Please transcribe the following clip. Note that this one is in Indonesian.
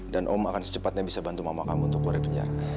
om akan secepatnya bisa bantu mama kamu untuk keluar dari penjara